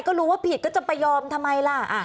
ก็รู้ว่าผิดก็จะไปยอมทำไมล่ะ